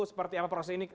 seperti apa proses ini